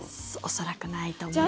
恐らくないと思いますね。